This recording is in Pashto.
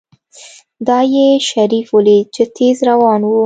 دا يې شريف وليد چې تېز روان و.